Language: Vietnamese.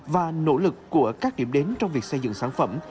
và nỗ lực của các điểm đến trong việc xây dựng sản phẩm